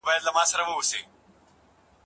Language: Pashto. دا دنیا له هر بنده څخه پاتیږي